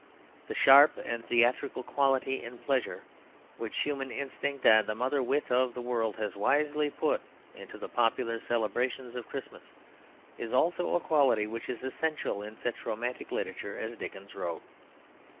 This sharp and theatrical quality in pleasure, which human instinct and the mother wit of the world has wisely put into the popular celebrations of Christmas, is also a quality which is essential in such romantic literature as Dickens wrote.